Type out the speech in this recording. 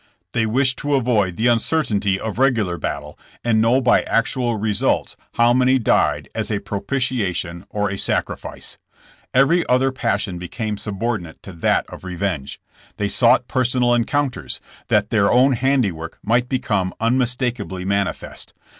They wished to avoid the uncertainty of regular battle and know by actual re sults how many died as a propitiation or a sacrifice. Every other passion became subordinate to that of revenge. They sought personal encounters, that their own handiwork might become unmistakably manifest.